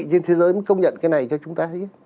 trên thế giới công nhận cái này cho chúng ta